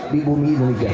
di bumi indonesia